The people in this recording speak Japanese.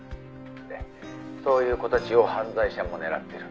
「でそういう子たちを犯罪者も狙ってる」